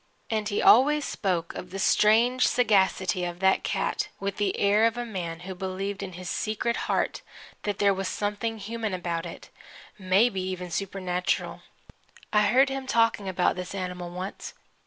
And he always spoke of the strange sagacity of that cat with the air of a man who believed in his secret heart that there was something human about it maybe even supernatural. I heard him talking about this animal once.